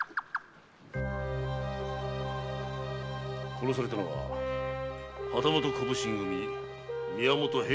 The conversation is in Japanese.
殺されたのは旗本小普請組宮本平内と申す者か。